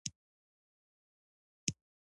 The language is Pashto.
ټپي ته د شکر درمل ورکول کیږي.